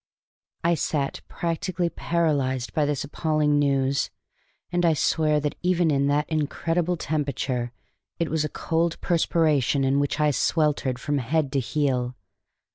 I sat practically paralyzed by this appalling news; and I swear that, even in that incredible temperature, it was a cold perspiration in which I sweltered from head to heel.